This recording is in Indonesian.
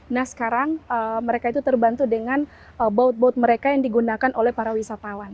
nah sekarang mereka itu terbantu dengan bout bot mereka yang digunakan oleh para wisatawan